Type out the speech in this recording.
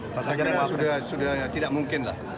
saya kira sudah tidak mungkin lah